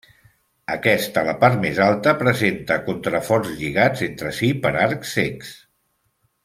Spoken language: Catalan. Aquest, a la part més alta, presenta contraforts lligats entre si per arcs cecs.